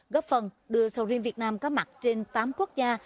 góp phần đưa sầu riêng việt nam có mặt trên tám quốc gia